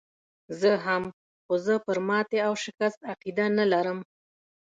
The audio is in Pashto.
زه هم، خو زه پر ماتې او شکست عقیده نه لرم.